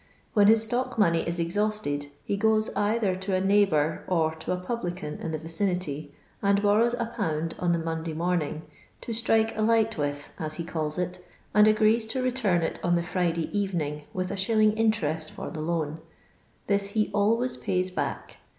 When his stock money is exhausted, he goes either to a neighbour or to a publican in the vicinity, and borrows 1/. on the Monday morning, " to strike a light with/' OS he calls it, and agrees to return it on the Friday evening, with \i. interest for the loan. This he always pays back.